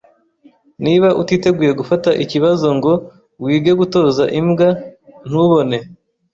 Niba utiteguye gufata ikibazo ngo wige gutoza imbwa, ntubone.